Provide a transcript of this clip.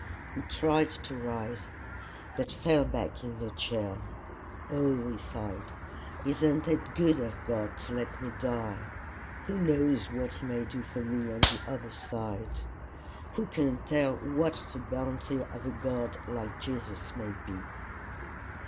He tried to rise, but fell back in the chair. "Oh!" he sighed, "isn't it good of God to let me die! Who knows what he may do for me on the other side! Who can tell what the bounty of a God like Jesus may be!"